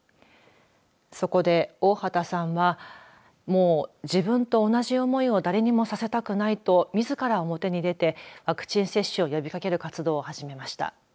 そこで大畑さんはもう自分と同じ思いを誰にもさせたくないとみずから表に出てワクチン接種を呼びかける活動を始めました。